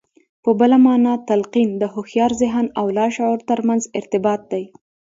په بله مانا تلقين د هوښيار ذهن او لاشعور ترمنځ ارتباط دی.